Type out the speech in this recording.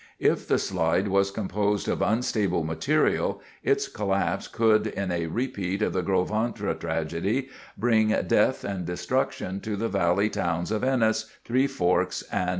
If the slide was composed of unstable material, its collapse could, in a repeat of the Gros Ventre tragedy, bring death and destruction to the valley towns of Ennis, Three Forks, and Trident below.